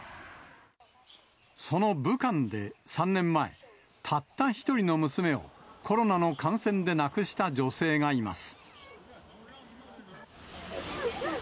その武漢で３年前、たった一人の娘をコロナの感染で亡くした女性がいます。